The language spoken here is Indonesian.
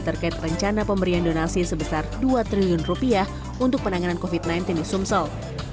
terkait rencana pemberian donasi sebesar dua triliun rupiah untuk penanganan covid sembilan belas di sumsel